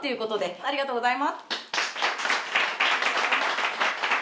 ありがとうございます。